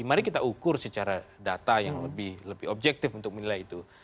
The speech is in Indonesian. mari kita ukur secara data yang lebih objektif untuk menilai itu